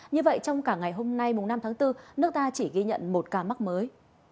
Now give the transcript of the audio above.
như vậy trong cả ngày hôm nay năm tháng bốn nước ta chỉ ghi nhận một ca mắc mới